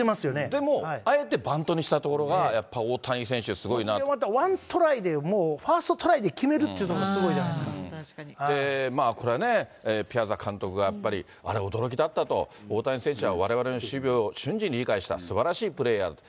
でも、あえてバントにしたところが、やっぱり大谷選手、すごいなと。それでまたワントライでもうファーストトライでキメるっていこれはね、ピアザ監督がやっぱり、あれ、驚きだったと、大谷選手はわれわれの守備を瞬時に理解した、すばらしいプレーヤーだと。